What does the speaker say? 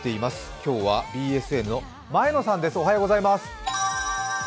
今日はＢＳＮの前野さんです。